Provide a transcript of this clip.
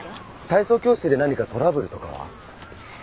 体操教室で何かトラブルとかは？